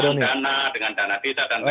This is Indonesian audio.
dengan dana dengan dana dana